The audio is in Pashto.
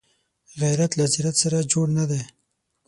غیرت له ذلت سره جوړ نه دی